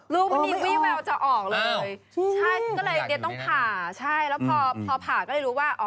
ลูกมันนี่วี่แววจะออกเลยใช่ต้องผ่าแล้วพอผ่าก็ได้รู้ว่าอ๋อ